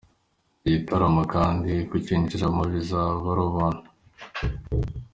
Iki gitaramo kandi kukinjiramo bikazaba ari ubuntu.